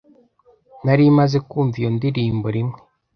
Nari maze kumva iyo ndirimbo rimwe.